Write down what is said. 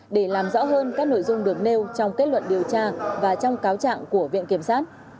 để làm rõ hơn các nội dung được nêu trong kết luận điều tra và trong cáo trạng của viện kiểm sát